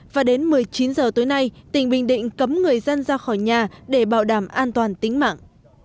và đến một mươi chín h tối nay tỉnh bình định cấm người dân ra khỏi nhà để bảo đảm an toàn tính mạng